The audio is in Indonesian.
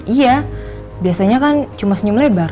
iya biasanya kan cuma senyum lebar